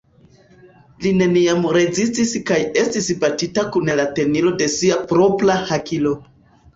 Li neniam rezistis kaj estis batita kun la tenilo de sia propra hakilo.